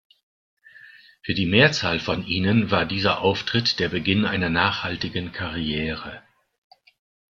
Für die Mehrzahl von ihnen war dieser Auftritt der Beginn einer nachhaltigen Karriere.